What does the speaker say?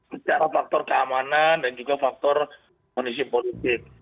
secara faktor keamanan dan juga faktor kondisi politik